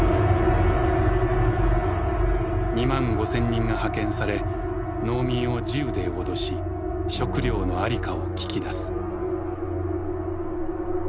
２万５０００人が派遣され農民を銃で脅し食糧の在りかを聞き出す。